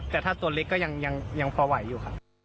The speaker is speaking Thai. แต่ถ้าตัวเล็กก็ยังยังก็เปอร์ไหวอยู่ครับ